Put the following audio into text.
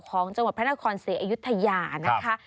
ของจังหวัดพระนครศรีอยุธยานะคะ